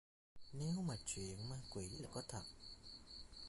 Nếu mà chuyện ma quỷ là có thật